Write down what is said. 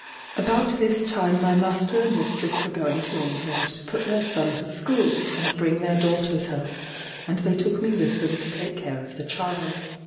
About this time my master and mistress were going to England to put their son to school, and bring their daughters home; and they took me with them to take care of the child.